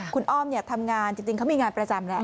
คุณอ้อมทำงานจริงเขามีงานประจำแหละ